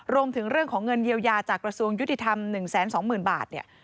รวมถึงเรื่องของเงินเยียวยาจากกระทรวงยุติธรรม๑๒๐๐๐บาทเนี่ย